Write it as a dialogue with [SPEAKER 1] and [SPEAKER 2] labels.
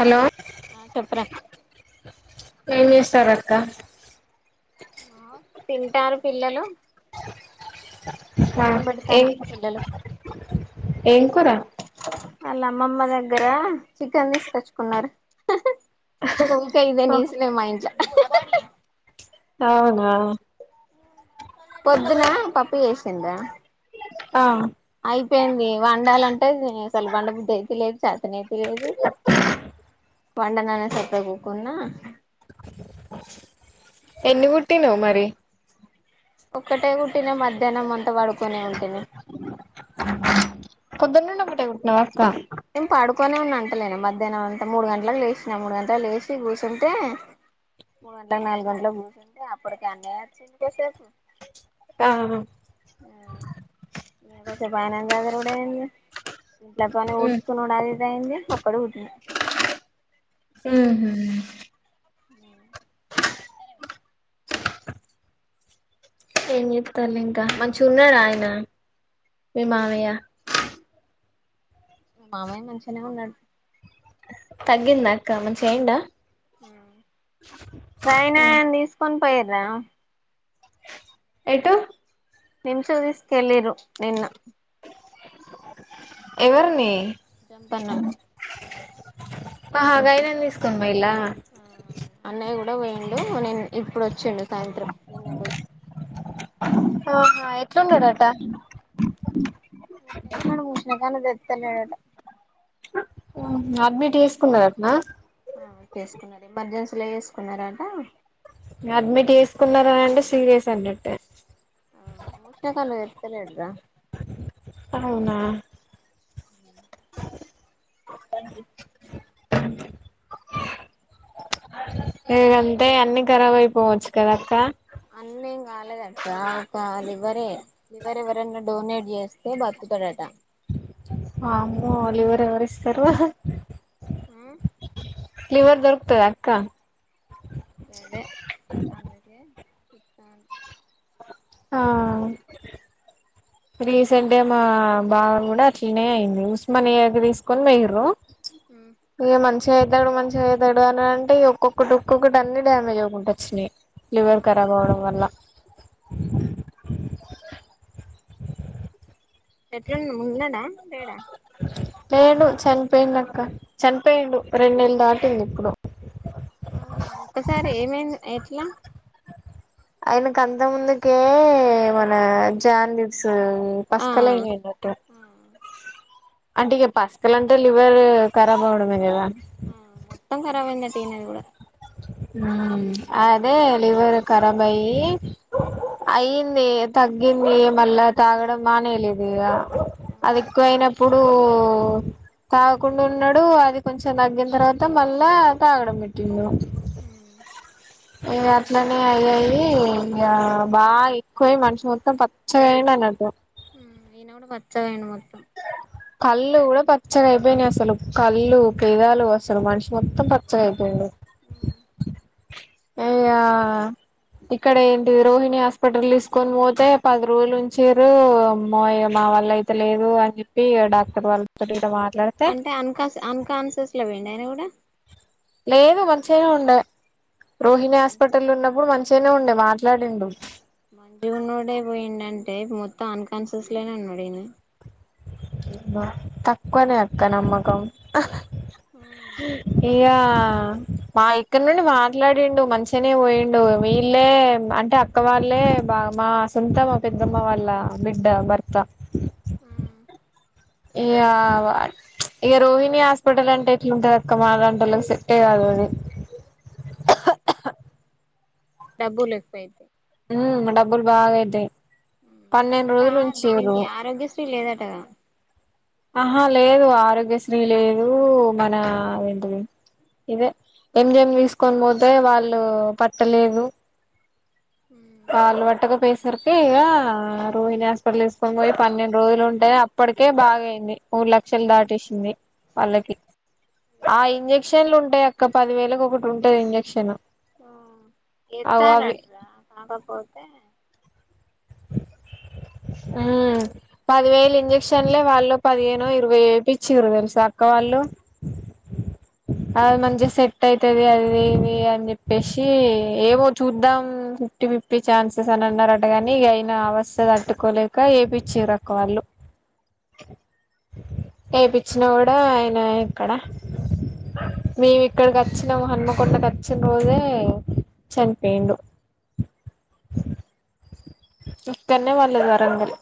[SPEAKER 1] hello
[SPEAKER 2] ఆ చెప్పరా
[SPEAKER 1] ఏం చేస్తారక్క
[SPEAKER 2] తింటారు పిల్లలు
[SPEAKER 1] ఆ
[SPEAKER 2] అన్నం
[SPEAKER 1] ఏ
[SPEAKER 2] పెడతాను పిల్లలు
[SPEAKER 1] ఏం కూరా
[SPEAKER 2] వాళ్ళ అమ్మమ్మ దగ్గర చికెన్ తీసుకొచ్చుకున్నారు [unintelligible] మా ఇంట్ల
[SPEAKER 1] అవునా
[SPEAKER 2] పొద్దున పప్పు చేసిండు రా
[SPEAKER 1] ఆ
[SPEAKER 2] అయిపోయింది వండాలంటే అసలు వండ బుద్ధ అయితే లేదు చేతనే లేదు వండననే సక్కగా కూకున్నా
[SPEAKER 1] ఎన్ని కుట్టినావ్ మరి
[SPEAKER 2] ఒక్కటే కుట్టిన మధ్యాహ్నం అంతా పడుకొనే ఉంటిని
[SPEAKER 1] పొద్దున నుండి ఒక్కటే కొట్టినావాక్క
[SPEAKER 2] నేన్ పాడుకొనే ఉన్నా అంటలేనా మధ్యాహ్నం అంత మూడు గంటలకు లేసిన మూడు గంటలకు లేసి కూర్చుంటే మూడు గంటలకు నాలుగు గంటలకు కూర్చుంటే అప్పటికి అన్నయ వచ్చి ఇంతసేపు
[SPEAKER 1] ఆ
[SPEAKER 2] ఉమ్మ్ కొంసేపు ఆయనను సరవుడు అయింది ఇంట్లో పని ఊడ్చకునుడు అది ఇది అయింది ఒక్కడు పుట్టిన
[SPEAKER 1] మ్మ్ఉహ్మ్
[SPEAKER 2] ఉమ్
[SPEAKER 1] ఏం చెత్తళ్ళు ఇంకా మంచిగా ఉన్నారా ఆయన మీ మావయ్య
[SPEAKER 2] మా మామయ్య మంచిగనే ఉన్నాడు
[SPEAKER 1] తగ్గిందా అక్క మంచిగా అయిండా
[SPEAKER 2] ఆయనాని తీసుకొని పోయిర్రా
[SPEAKER 1] ఎటు
[SPEAKER 2] నిమ్స్‌కి తీసుకెళ్ళిర్రు నిన్న
[SPEAKER 1] ఎవర్ని
[SPEAKER 2] జంప్త్ అన్నాను
[SPEAKER 1] ఆహా గాయనని తీసుకోని పోయిల్లా
[SPEAKER 2] అన్నయ్య కూడా పోయిండు నేను ఇప్పుడు వచ్చిండు సాయంత్రం నిన్న పోయి
[SPEAKER 1] ఆహా ఎట్లున్నాడట
[SPEAKER 2] అట్లే ఉన్నాడు కూసున్నకాడ లేత్తలేడట
[SPEAKER 1] ఉమ్మ్ అడ్మిట్ చేసుకున్నరాటనా
[SPEAKER 2] ఆ చేసుకున్నారు ఎమర్జెన్సీలో చేసుకున్నారాట
[SPEAKER 1] అడ్మిట్ చేసుకున్నారని అంటే సీరియస్ అన్నట్టే
[SPEAKER 2] తాలెడ్రా
[SPEAKER 1] అవునా
[SPEAKER 2] మొత్తానికి
[SPEAKER 1] లేదంటే అన్ని ఖరాబ్ అయిపోవచ్చు కదా అక్క
[SPEAKER 2] అన్నేం కాలేదట్రా ఒక లివరే లివర్ ఎవరనా డొనేట్ చేస్తే బతు కుతడట
[SPEAKER 1] వామ్మో లివరు ఎవరు ఇస్తారు
[SPEAKER 2] ఉమ్మ్
[SPEAKER 1] లివర్ దొరుకుతాదా అక్క
[SPEAKER 2] అదే అందుకే
[SPEAKER 1] ఆ రీసెంటుగా మా బావ కూడా అట్లనే అయింది ఉస్మానియాకి తీసుకొని పోయిర్రు
[SPEAKER 2] ఉమ్
[SPEAKER 1] ఏ మం చేతాడు మంచిగా చేతాడు అని అంటే ఒక్కొక్కటి ఒక్కొక్కటి అన్ని డ్యామేజ్ అవుకుంటా వచ్చినాయి లివర్ ఖరాబ్ అవడం వల్ల
[SPEAKER 2] ఎట్లుండు ఉన్నాడా లేడా
[SPEAKER 1] లేడు చనిపోయిండు అక్క చనిపోయిండు రెండు నెలు దాటింది ఇప్పుడు
[SPEAKER 2] అవునా ఒకసారే ఏమైంది ఎట్లా
[SPEAKER 1] ఆయనకు అంత ముందుకే మన జాడిస్ ఉమ్
[SPEAKER 2] ఆ
[SPEAKER 1] పస్కలైనయన్నట
[SPEAKER 2] ఆ
[SPEAKER 1] అంటే ఇక పసుకలు అంటే లివర్ కరాబ్ అవడమే కదా
[SPEAKER 2] ఆ మొత్తం కరాబైందంట ఇనది కూడా
[SPEAKER 1] ఉమ్ అ అదే లివర్ ఖరాబ్ అయి అయ్యింది తగ్గింది మళ్ళా తాగడం మానేరాలేదిగ
[SPEAKER 2] ఉమ్
[SPEAKER 1] అది ఎక్కువయినప్పుడు తాగకుండుండడు అది కొంచెం తగ్గిన తర్వాత మళ్ళా తాగడం పెట్టి
[SPEAKER 2] ఉమ్
[SPEAKER 1] ఇగ అట్లనే అయ్యి అయి ఇగ బాగా ఎక్కువయి మనిషి మొత్తం పచ్చగాయిండ నద్దు
[SPEAKER 2] ఇనగుడ పచ్చగయిండు మొ
[SPEAKER 1] కళ్ళు కూడా పచ్చగ అయిపోయినయి అసలు కళ్ళు పెదాలు అసలు మనిషి మొత్తం పచ్చగ అయిపోయిండు
[SPEAKER 2] ఉ
[SPEAKER 1] ఇగ ఇక్కడ ఏంటిది రోహిణి హాస్పిటల్తీసుకొని పోతే పది రోజులు ఉంచిర్రు మోయ మ వాళ్ళయితే లేదు అని చెప్పి డాక్టర్ వాళ్ళతోటి ఇట్ల మా
[SPEAKER 2] అంటే అన్కా అన్కాన్సస్లోపోయిండ అయన కూడా
[SPEAKER 1] లేదు మంచిగానే ఉండే రోహిణి హాస్పిటల్ ఉన్నప్పుడు మంచ్ చ్చనే ఉండే మాట్లాడిండు
[SPEAKER 2] మంన్నోడే పోయిండంటే మొత్తం అన్కాన్షిసేస్ లనే ఉన్నాడు ఈన
[SPEAKER 1] తక్కువనే అక్క నమ్మకం
[SPEAKER 2] ఉమ్
[SPEAKER 1] ఇగా మా ఇక్కడి నుండి మాట్లాడిండు మంచిగానే పోయిండు వీళ్ళే అంటే అక్క వాళ్ళే బ మా సొంతం మా పెద్దమ్మ వాళ్ళ బిడ్డ భర్త
[SPEAKER 2] ఉమ్
[SPEAKER 1] ఇగ వట్ ఇగ రోహిణి హాస్పిటల్ అంటే ఎట్లుంటంది అక్క మన లాంటోళ్ళకి సెట్టే కాదు అది
[SPEAKER 2] డబ్బులెక్కువైతయి
[SPEAKER 1] ఉమ్ డబ్బుల్ బాగయితయి
[SPEAKER 2] అంటే ఆ దీనికి ఆరోగ్యశ్రీ లేదటగా
[SPEAKER 1] అహా లేదు ఆరోగ్యశ్రీ లేదు మన ఏంటిది ఇదే ఎంజీమ్ తీసుకొని పోతే వాళ్ళు పట్టలేదు వాల్పట్టగా పేసరికి ఇగా రోహిణి హాస్పిటల్ ఏసుకొని పోయి పన్నెండు రోజులు ఉంటేనే అప్పటికే బాగయింది మూడు లక్షలు దాటెసింది వాళ్ళకి ఆ ఇంజెక్షన్లు ఉంటయి అక్క పది వేలకు ఒకటి ఉంటది ఇంజక్షన్
[SPEAKER 2] ఉమ్
[SPEAKER 1] అగో అవి
[SPEAKER 2] ఎత్తరంట్రా కాకపోతే
[SPEAKER 1] ఉమ్ పదివేలు ఇంజక్షన్లే వాళ్ళు పదిహేను ఇరవై వేపిచ్చిర్రు తెలుస అక్క వాళ్ళు అమంచిగా సెట్ అయితది అది ఇది అని చెప్పేశి ఏవో చూద్దాం టి ఫీఫ్టీ ఛాన్సెస్ అని అన్నారటగని నీగైన అవస్త తట్టుకోలేక ఏపిచిర్రు అక్క వాళ్ళు ఏపిచ్చినా కూడ ఆయన ఎక్కడ మేమిక్కడికి వచ్చినం హన్మకొండకు అచ్చిన రోజే చనిపేండు ఇక్కన్నే వాళ్ళది వరంగల్